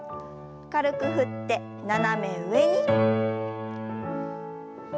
軽く振って斜め上に。